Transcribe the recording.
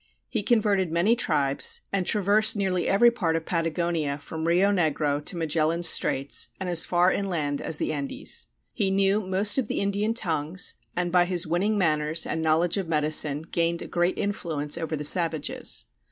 He converted many tribes, and traversed nearly every part of Patagonia from Rio Negro to Magellan's Straits, and as far inland as the Andes. He knew most of the Indian tongues, and by his winning manners and knowledge of medicine gained a great influence over the savages.